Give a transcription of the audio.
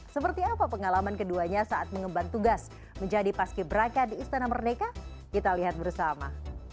seperti apa pengalaman keduanya saat mengembang tugas menjadi paski beraka di istana merdeka kita lihat bersama